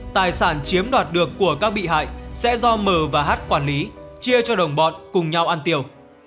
tài sản chiếm đoạt được của các bị hại sẽ do m và hát quản lý chia cho đồng bọn cùng nhau ăn tiêu